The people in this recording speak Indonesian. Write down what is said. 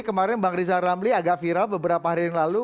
kemarin bang rizal ramli agak viral beberapa hari yang lalu